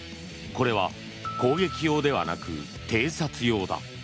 これは攻撃用ではなく偵察用だ。